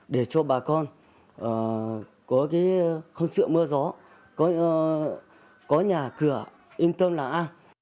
để cho bà con có cái khung sợ mưa gió có nhà cửa yên tâm là ăn